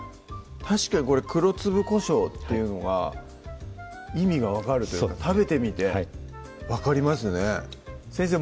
確かにこれ黒粒こしょうというのが意味が分かるというか食べてみて分かりますね先生